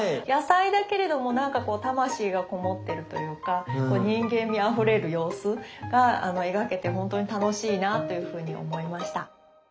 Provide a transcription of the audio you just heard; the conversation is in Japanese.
野菜だけれども魂がこもってるというか人間味あふれる様子が描けて本当に楽しいなというふうに思いました。